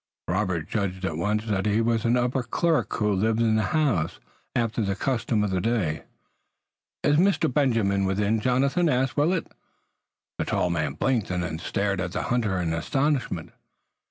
Robert judged at once that he was an upper clerk who lived in the house, after the custom of the day. "Is Master Benjamin within, Jonathan?" asked Willet. The tall man blinked and then stared at the hunter in astonishment.